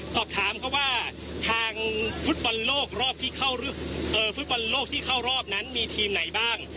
สอบถามเขาว่าทางฟุตบันโลกรอบที่เข้ารอบนั้นมีทีมไหนบ้าง